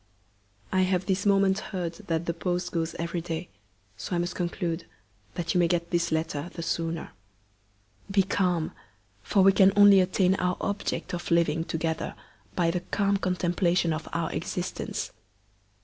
I have this moment heard that the post goes every day, so I must conclude, that you may get this letter the sooner. Be calm! for we can only attain our object of living together by the calm contemplation of our existence.